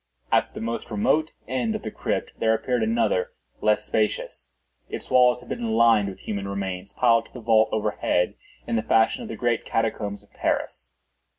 At the most remote end of the crypt there appeared another less spacious. Its walls had been lined with human remains, piled to the vault overhead, in the fashion of the great catacombs of Paris.